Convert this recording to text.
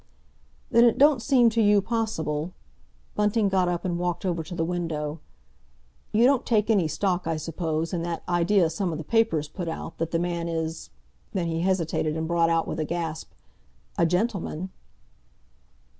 "Then it don't seem to you possible—?" (Bunting got up and walked over to the window.) "You don't take any stock, I suppose, in that idea some of the papers put out, that the man is"—then he hesitated and brought out, with a gasp—"a gentleman?"